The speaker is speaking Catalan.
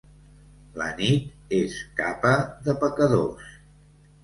La nit és capa de pecadors.